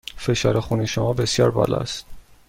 فشار خون شما بسیار بالا است.